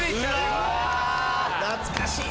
懐かしいね！